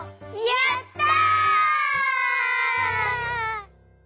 やった！